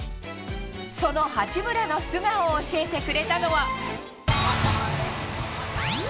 その八村の素顔を教えてくれたのは。